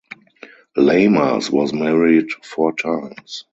Lamas was married four times.